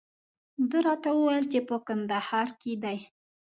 ده راته وویل چې په کندهار کې دی.